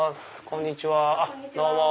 こんにちは。